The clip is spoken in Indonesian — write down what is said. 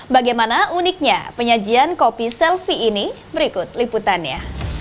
bagaimana uniknya penyajian kopi selfie ini berikut liputannya